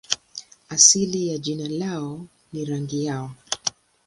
Asili ya jina lao ni rangi yao.